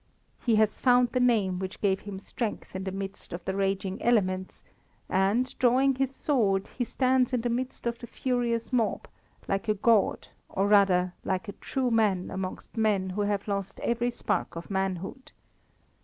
He has found the name which gave him strength in the midst of the raging elements, and drawing his sword, he stands in the midst of the furious mob, like a god, or rather like a true man amongst men who have lost every spark of manhood.